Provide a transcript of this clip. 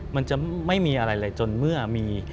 มันจะไม่มีอะไรเลยจนเมื่อมี